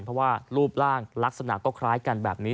เพราะว่ารูปร่างลักษณะก็คล้ายกันแบบนี้